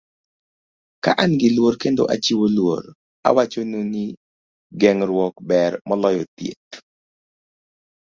Ka an gi luor kendo achiwo luor, awachonu ni geng'ruok ber moloyo thieth.